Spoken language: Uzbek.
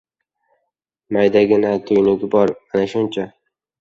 Maydagina tuynugi bor. Mana shuncha!